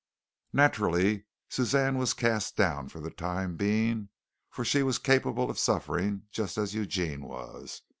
Naturally Suzanne was cast down for the time being, for she was capable of suffering just as Eugene was.